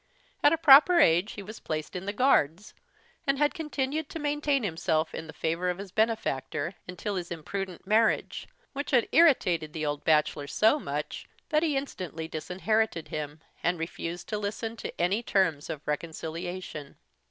At a proper age he was placed in the Guards, and had continued to maintain himself in the favor of his benefactor until his imprudent marriage, which had irritated this old bachelor so much that he instantly disinherited him, and refused to listen to any terms of reconciliation.